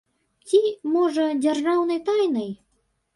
Ці, можа, дзяржаўнай тайнай?